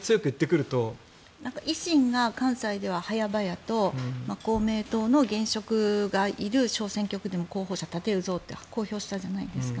維新が関西では早々と公明党の現職がいる小選挙区でも候補者を立てるぞと公表したじゃないですか。